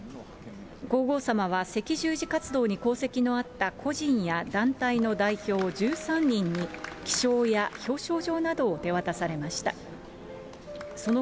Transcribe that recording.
皇后さまは赤十字活動に功績のあった個人や団体の代表１３人に、記章や表彰状などを手渡されました。